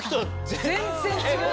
全然違う。